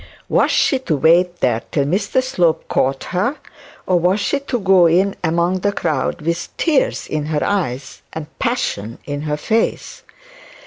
Was she to wait there till Mr Slope caught her, or was she to go in among the crowd with tears in her eyes and passion in her face?